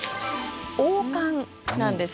王冠なんです。